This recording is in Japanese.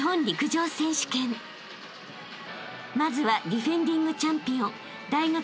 ［まずはディフェンディングチャンピオン大学２